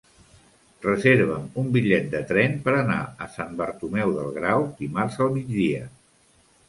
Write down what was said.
Reserva'm un bitllet de tren per anar a Sant Bartomeu del Grau dimarts al migdia.